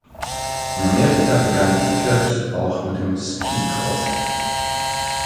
In Amerika begann Piccard auch mit dem Skicross.